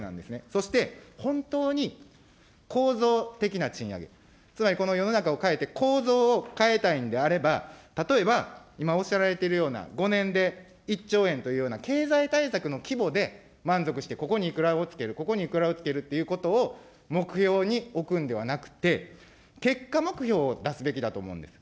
そして本当に構造的な賃上げ、つまり、この世の中を変えて、構造を変えたいんであれば、例えば、今おっしゃられているような、５年で１兆円というような経済対策の規模で満足して、ここにいくらをつける、ここにいくらをつけるということを、目標に置くんではなくて、結果目標を出すべきだと思うんです。